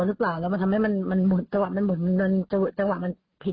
แล้วเขาเดินอ่ะมันนั่งที่